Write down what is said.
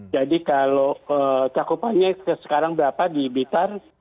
jadi kalau keakupannya sekarang berapa